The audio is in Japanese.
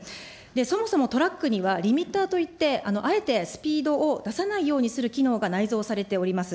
そもそもトラックには、リミッターといって、あえてスピードを出さないようにする機能が内蔵されております。